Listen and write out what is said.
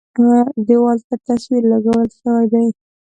دېوال ته تصویر لګول شوی دی.